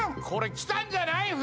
これきたんじゃない？